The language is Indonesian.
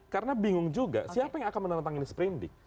karena bingung juga siapa yang akan menantang ini seprendik